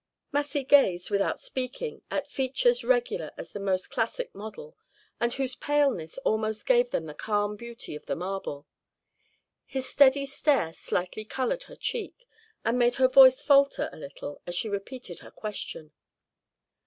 Massy gazed, without speaking, at features regular as the most classic model, and whose paleness almost gave them the calm beauty of the marble. His steady stare slightly colored her cheek, and made her voice falter a little as she repeated her question.